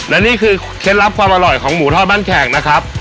และนี่คือเคล็ดลับความอร่อยของหมูทอดบ้านแขกนะครับ